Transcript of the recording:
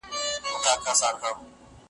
قتلول یې یوله بله په زرګونه .